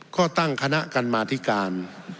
ก็ตั้งคณะกรรมาธิการ